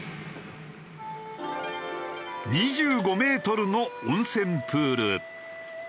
２５メートルの温泉プール。